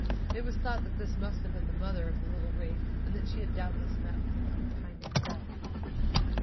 It was thought that this must have been the mother of the little waif and that she had doubtless met with an untimely death.